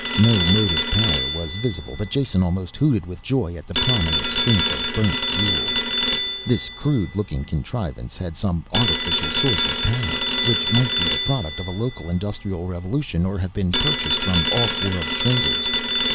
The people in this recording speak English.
No motive power was visible, but Jason almost hooted with joy at the prominent stink of burnt fuel. This crude looking contrivance had some artificial source of power, which might be the product of a local industrial revolution or have been purchased from off world traders.